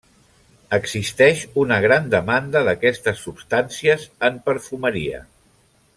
Existeix una gran demanda d'aquestes substàncies en perfumeria.